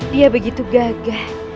dia begitu gagah